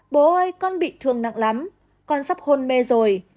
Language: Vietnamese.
bố ơi con bị thương nặng lắm con sắp hôn mê rồi